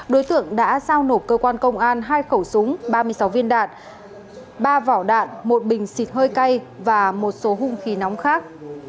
đối tượng đã giao nộp cơ quan công an hai khẩu súng ba mươi sáu viên đạn ba vỏ đạn một bình xịt hơi cay và một số hung khí nóng khác